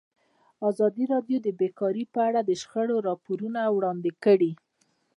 ازادي راډیو د بیکاري په اړه د شخړو راپورونه وړاندې کړي.